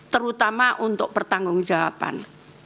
terutama untuk pertanggung jawaban